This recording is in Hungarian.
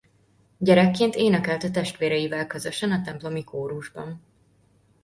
Gyerekként énekelt a testvéreivel közösen a templomi kórusban.